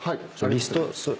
リスト。